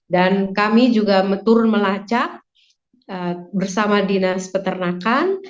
dan kami juga turun melacak bersama dinas peternakan